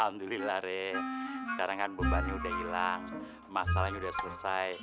alhamdulillah rek sekarang kan bebannya udah hilang masalahnya sudah selesai